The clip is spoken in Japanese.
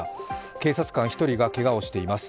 警察官１人がけがをしています。